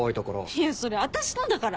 いやそれ私のだから！